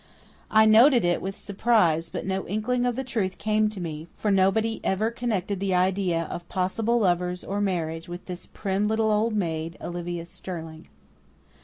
I noted it, with surprise, but no inkling of the truth came to me for nobody ever connected the idea of possible lovers or marriage with this prim little old maid, Olivia Sterling.